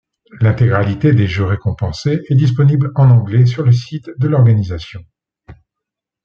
L'intégralité des jeux récompensés est disponible en anglais sur le site de l'organisation.